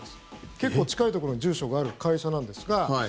結構近いところに住所がある会社なんですが。